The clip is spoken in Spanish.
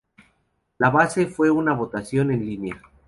La base fue una votación en línea.